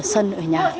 sân ở nhà